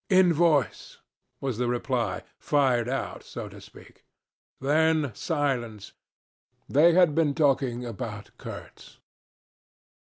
'Invoice,' was the reply fired out, so to speak. Then silence. They had been talking about Kurtz.